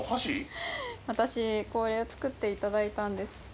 私これを作って頂いたんです。